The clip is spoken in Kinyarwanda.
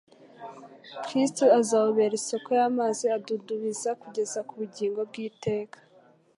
Kristo azawubera isoko y'amazi adudubiza kugeza ku bugingo bw'iteka.